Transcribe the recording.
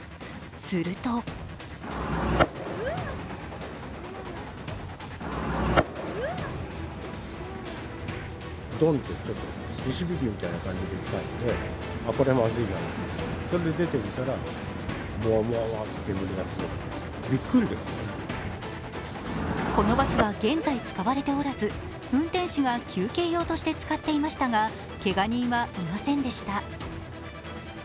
するとこのバスは現在、使われておらず運転士が休憩用として使っていましたがけが人はいませんでした。